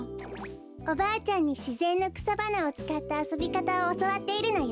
おばあちゃんにしぜんのくさばなをつかったあそびかたをおそわっているのよ。